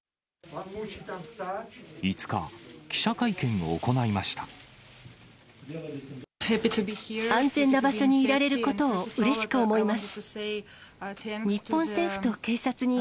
５日、安全な場所にいられることをうれしく思います。